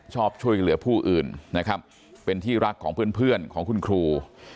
ชอบช่วยเหลือผู้อื่นนะครับเป็นที่รักของเพื่อนของคุณครู